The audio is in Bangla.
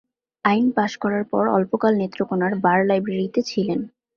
আইন পাশ করার পর অল্পকাল নেত্রকোণার বার লাইব্রেরিতে ছিলেন।